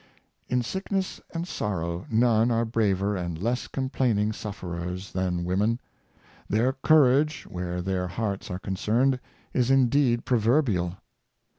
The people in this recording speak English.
In sickness and sorrow none are braver and less com plaining suflferers than women. Their courage, where their hearts are concerned, is indeed proverbial.